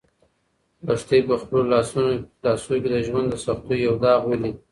لښتې په خپلو لاسو کې د ژوند د سختیو یو داغ ولید.